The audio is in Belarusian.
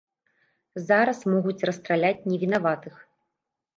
Зараз могуць расстраляць невінаватых.